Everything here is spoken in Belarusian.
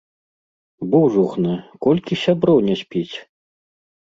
Божухна, колькі сяброў не спіць!